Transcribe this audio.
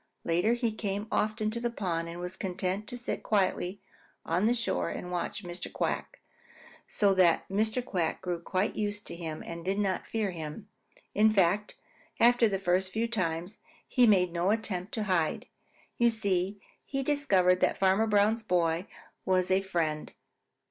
Later he came often to the pond and was content to sit quietly on the shore and watch Mr. Quack, so that Mr. Quack grew quite used to him and did not fear him at all. In fact, after the first few times, he made no attempt to hide. You see he discovered that Farmer Brown's boy was a friend.